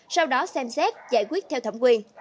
sau đó xem xét giải quyết theo thẩm quyền